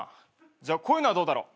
じゃあこういうのはどうだろう？